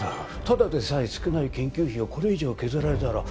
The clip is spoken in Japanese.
ただでさえ少ない研究費をこれ以上削られたら。